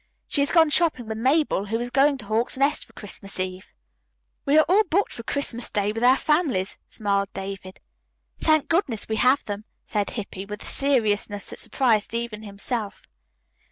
"She has gone shopping with Mabel, who is going to Hawk's Nest for Christmas Eve." "We are all booked for Christmas Day with our families," smiled David. "Thank goodness we have them," said Hippy with a seriousness that surprised even himself.